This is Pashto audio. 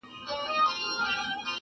یوه بل ته یې کتل دواړه حیران سول؛